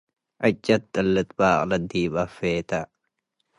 ዕጨት ጥልት በቅለት ዲበ ኣፌተ